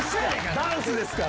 ダンスですから。